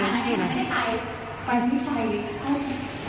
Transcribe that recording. นั่นก็คือแรกที่บริเวณโรงพยาบาลและอุโมงัย